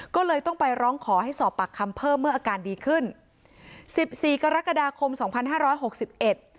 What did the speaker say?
ก็เลยต้องไปร้องขอให้สอบปากคำเพิ่มเมื่ออาการดีขึ้นสิบสี่กรกฎาคมสองพันห้าร้อยหกสิบเอ็ด